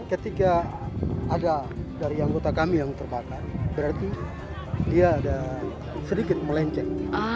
ketika ada dari anggota kami yang terbakar berarti dia ada sedikit melencet